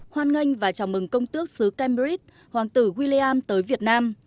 hoan nghênh và chào mừng công tước xứ cambridge hoàng tử william tới việt nam